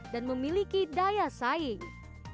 dan memiliki disenjata